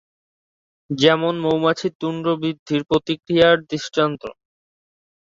যেমন মৌমাছির তুণ্ড বৃদ্ধির প্রতিক্রিয়ার দৃষ্টান্ত।